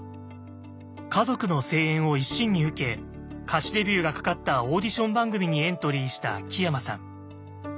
家族の声援を一身に受け歌手デビューがかかったオーディション番組にエントリーした木山さん。